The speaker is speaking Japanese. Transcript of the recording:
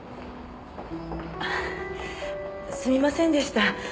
すみませんでした。